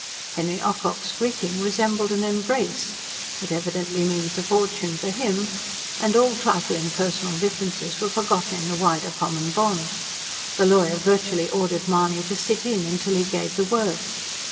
Henry Ocock's greeting resembled an embrace "It evidently means a fortune for him" and all trifling personal differences were forgotten in the wider common bond. The lawyer virtually ordered Mahony to "sit in", till he gave the word.